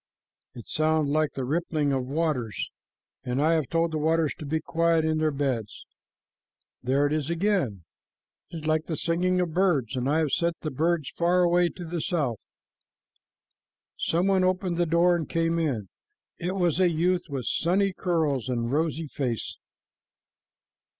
It sounds like the rippling of waters, and I have told the waters to be quiet in their beds. There it is again. It is like the singing of birds, and I have sent the birds far away to the south." Some one opened the door and came in. It was a youth with sunny curls and rosy face.